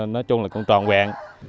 nói chung là cũng tròn vẹn